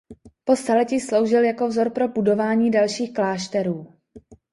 Po staletí sloužil jako vzor pro budování dalších klášterů.